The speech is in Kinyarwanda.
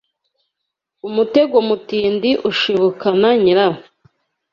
Umutego mutindi ushibukana nyirawo